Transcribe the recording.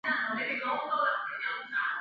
纽约时报驻北京记者安迪也非常关切。